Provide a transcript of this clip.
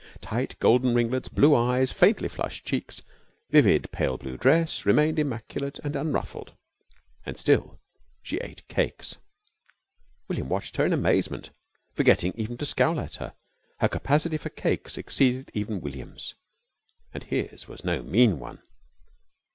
Tight golden ringlets, blue eyes, faintly flushed cheeks, vivid pale blue dress remained immaculate and unruffled, and still she ate cakes. William watched her in amazement, forgetting even to scowl at her. Her capacity for cakes exceeded even William's, and his was no mean one.